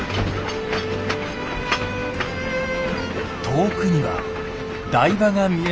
遠くには台場が見えます。